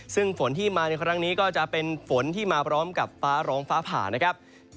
ซึ่งฝนที่มาในครั้งนี้ก็จะเป็นฝนที่มาพร้อมกับฟ้าร้องฟ้าผ่านะครับ